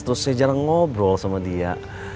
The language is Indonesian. terus saya jarang ngobrol sama dia